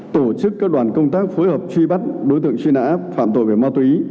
tổ chức các đoàn công tác phối hợp truy bắt đối tượng truy nã phạm tội về ma túy